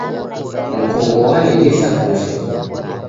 Mkongo w'alighisa kufwa